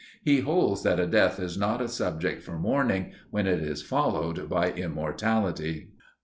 He holds that a death is not a subject for mourning when it is followed by immortality.